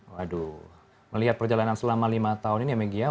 waduh melihat perjalanan selama lima tahun ini ya megi ya